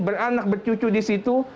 beranak bercucu disitu